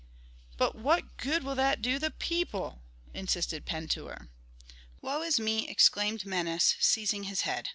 "But what good will that do the people?" insisted Pentuer. "Woe is me!" exclaimed Menes, seizing his head.